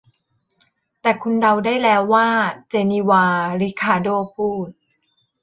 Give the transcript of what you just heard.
แต่คุณเดาได้แล้วว่า 'เจนีวา' ริคาร์โด้พูด